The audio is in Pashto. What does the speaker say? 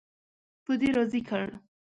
په دې راضي کړ.